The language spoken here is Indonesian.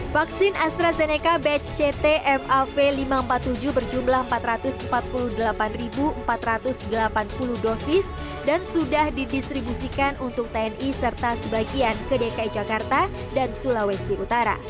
vaksin astrazeneca batch ctmav lima ratus empat puluh tujuh berjumlah empat ratus empat puluh delapan empat ratus delapan puluh dosis dan sudah didistribusikan untuk tni serta sebagian ke dki jakarta dan sulawesi utara